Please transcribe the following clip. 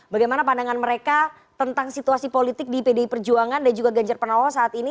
bagaimana pandangan mereka tentang situasi politik di pdi perjuangan dan juga ganjar pranowo saat ini